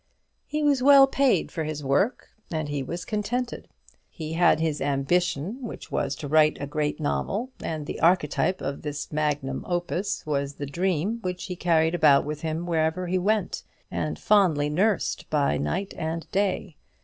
He was well paid for his work, and he was contented. He had his ambition, which was to write a great novel; and the archetype of this magnum opus was the dream which he carried about with him wherever he went, and fondly nursed by night and day.